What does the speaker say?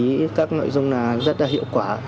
năm hai nghìn một mươi bốn am một mươi chín och die